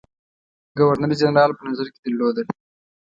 ګورنر جنرال په نظر کې درلودل.